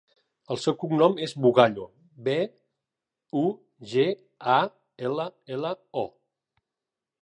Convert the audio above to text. El seu cognom és Bugallo: be, u, ge, a, ela, ela, o.